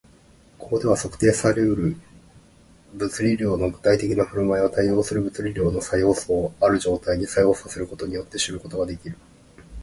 ここでは、測定され得る物理量の具体的な振る舞いは、対応する物理量の作用素をある状態に作用させることによって知ることができる